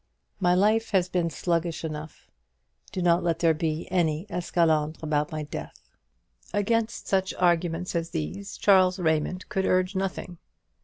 My life has been sluggish enough; do not let there be any esclandre about my death." Against such arguments as these Charles Raymond could urge nothing.